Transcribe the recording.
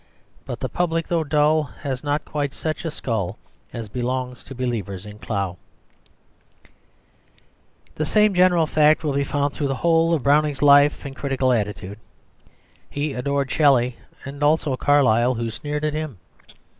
But the public, though dull, Has not quite such a skull As belongs to believers in Clough." The same general fact will be found through the whole of Browning's life and critical attitude. He adored Shelley, and also Carlyle who sneered at him.